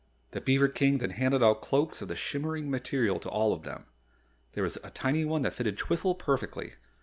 The beaver King then handed out Cloaks of the shimmering material to all of them. There was a tiny one that fitted Twiffle perfectly.